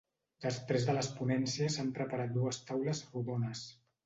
Després de les ponències s’han preparat dues taules rodones.